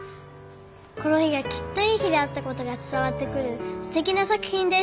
この日がきっといい日であったことが伝わってくるすてきな作品です」。